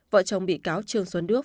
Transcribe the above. vợ chồng bị cáo trương xuân đức